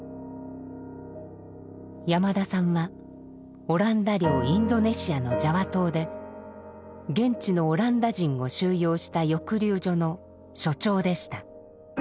山田さんはオランダ領インドネシアのジャワ島で現地のオランダ人を収容した抑留所の所長でした。